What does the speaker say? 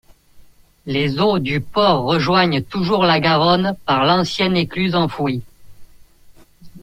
Les eaux du port rejoignent toujours la Garonne par l'ancienne écluse enfouie.